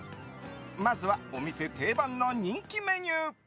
まずはお店定番の人気メニュー。